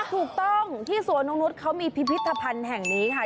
ถูกต้องที่สวนน้องนุษย์เขามีพิพิธภัณฑ์แห่งนี้ค่ะ